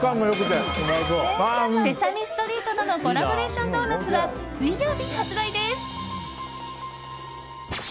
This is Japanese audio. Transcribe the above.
「セサミストリート」とのコラボレーションドーナツは水曜日発売です。